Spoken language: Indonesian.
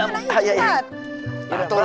dengar dulu aku